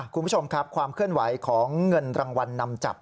คุณผู้ชมครับความเคลื่อนไหวของเงินรางวัลนำจับ